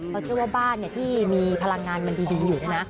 เพราะเชื่อว่าบ้านที่มีพลังงานมันดีอยู่เนี่ยนะ